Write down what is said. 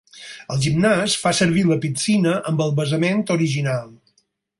El gimnàs fa servir la piscina amb el basament original.